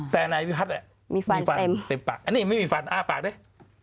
แต่อันนี้พี่พัดมีฟันเต็มอันนี้ไม่มีฟันอ้าวปากด้วย